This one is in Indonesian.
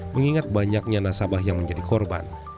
mengingat banyaknya nasabah yang menjadi korban